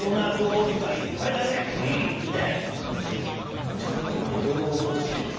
やっぱちょっとおどろおどろしいよね。